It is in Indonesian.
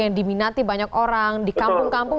yang diminati banyak orang di kampung kampung